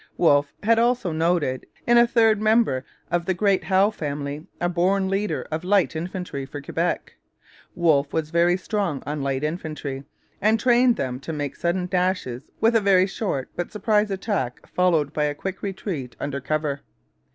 Wolfe had also noted in a third member of the great Howe family a born leader of light infantry for Quebec. Wolfe was very strong on light infantry, and trained them to make sudden dashes with a very short but sharp surprise attack followed by a quick retreat under cover.